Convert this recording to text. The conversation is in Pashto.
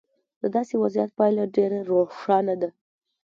د داسې وضعیت پایله ډېره روښانه ده.